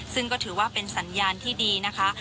ซึ่งก็ถือว่าเป็นสัญญาณที่ดีนะคะ